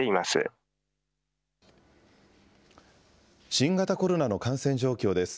新型コロナの感染状況です。